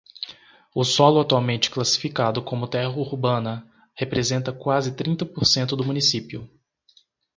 O solo atualmente classificado como terra urbana representa quase trinta por cento do município.